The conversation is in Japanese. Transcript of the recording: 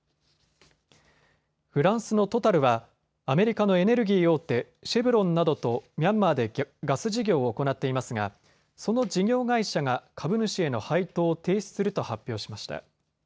フランスのトタルはアメリカのエネルギー大手、シェブロンなどとミャンマーでガス事業を行っていますがその事業会社が株主への配当を停止すると発表しました。